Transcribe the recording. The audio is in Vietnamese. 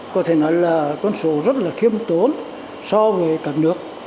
có thể nói là con số rất là khiêm tốn so với các nước